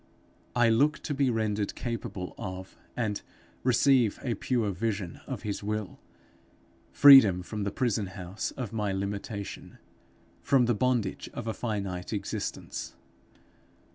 I look to be rendered capable of and receive a pure vision of his will, freedom from the prison house of my limitation, from the bondage of a finite existence.